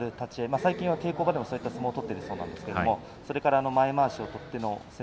最近は稽古場でもそういう相撲を取っているそうですがそれから前まわしを取っての攻め。